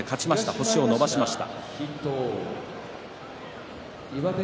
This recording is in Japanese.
星を伸ばしました。